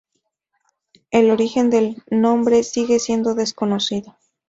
El origen del nombre sigue siendo desconocido.